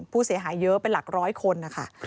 ผู้เสียหายเยอะเป็นหลักร้อยคนนะคะ